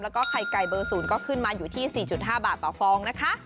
แล้วก็ไข่ไก่เบอร์๐ก็ขึ้นมาอยู่ที่๔๕บาทต่อฟองนะคะ